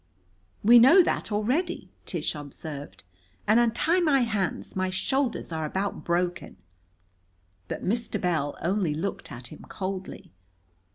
"We know that already," Tish observed. "And untie my hands. My shoulders are about broken." But Mr. Bell only looked at him coldly.